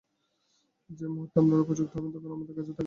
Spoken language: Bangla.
যে মুহূর্তে আমরা উপযুক্ত হব, তখনই আমাদের কাছে টাকা উড়ে আসবে।